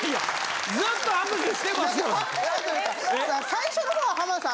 最初の方は浜田さん